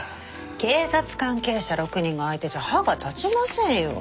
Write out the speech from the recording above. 警察関係者６人が相手じゃ歯が立ちませんよ。